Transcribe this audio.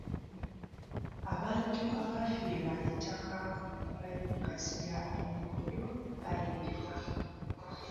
Abantu abafiirwa ettaka mu nkola ey'okugaziya enguudo baliyirirwa.